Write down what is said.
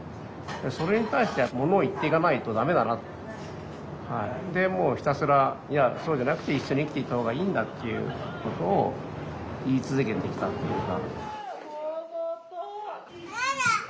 それに対してはものを言っていかないと駄目だなでもうひたすらいやそうじゃなくて一緒に生きていった方がいいんだということを言い続けてきたっていうか。